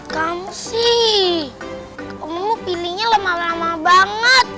kamu sih kamu pilihnya lama lama banget